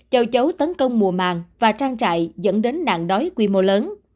châu chấu tấn công mùa màng và trang trại dẫn đến nạn đói quy mô lớn